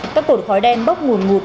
các cột khói đen bốc nguồn ngục